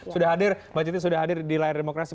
sudah hadir mbak citi sudah hadir di layar demokrasi